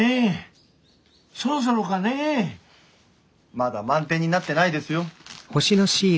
まだ満天になってないですよ。